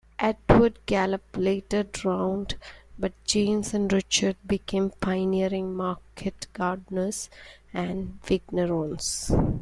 Edward Gallop later drowned but James and Richard became pioneering market gardeners and vignerons.